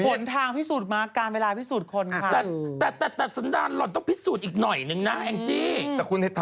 ผลทางพิสูจน์มากแต่การเวลาพิสูจน์ขน